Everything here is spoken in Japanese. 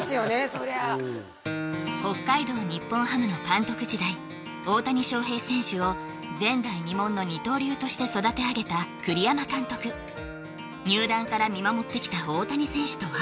そりゃあ北海道日本ハムの監督時代大谷翔平選手を前代未聞の二刀流として育て上げた栗山監督入団から見守ってきた大谷選手とは？